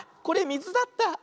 これみずだった。